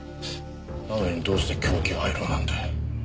なのにどうして凶器がアイロンなんだ？